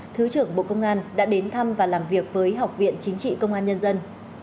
thứ trưởng bộ công an đã đến thăm và làm việc với học viện chính trị công an nhân dân